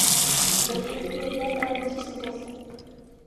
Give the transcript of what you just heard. د تخه د درد لپاره د څه شي اوبه وڅښم؟